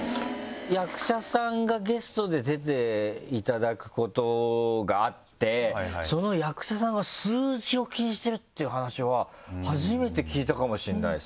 役者さんがゲストで出ていただくことがあってその役者さんが数字を気にしてるっていう話は初めて聞いたかもしれないです。